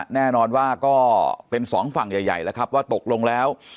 แน่นอนว่าก็เป็นสองฝั่งใหญ่แล้วครับว่าตกลงแล้ว